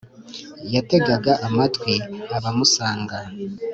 yategaga amatwi abamusanga...